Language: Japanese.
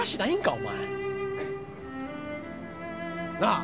お前。なあ？